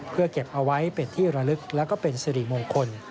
เพื่อเก็บเอาไว้เป็นที่ระลึกและก็เป็นสิริมงคล